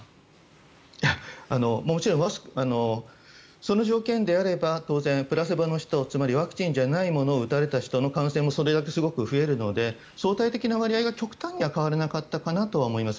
もちろんその条件であれば当然、プラセボの人つまりワクチンじゃないものを打たれた人の感染もそれだけすごく増えるので相対的な割合は極端に変わらなかったかなと思います。